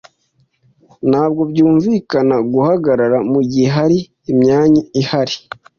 Ntabwo byumvikana guhagarara mugihe hari imyanya ihari.